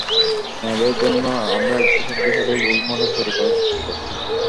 নারীদের জন্য আমরা একটা শক্তিশালী রোল মডেল তৈরি করার চেষ্টা করছি।